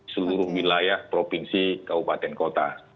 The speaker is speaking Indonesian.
seluruh wilayah provinsi kabupaten kota